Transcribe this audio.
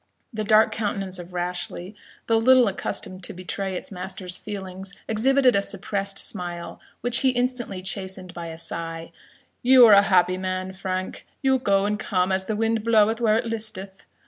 The dark countenance of Rashleigh, though little accustomed to betray its master's feelings, exhibited a suppressed smile, which he instantly chastened by a sigh. "You are a happy man, Frank you go and come, as the wind bloweth where it listeth.